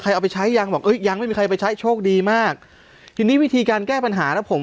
เอาไปใช้ยังบอกเอ้ยยังไม่มีใครไปใช้โชคดีมากทีนี้วิธีการแก้ปัญหานะผม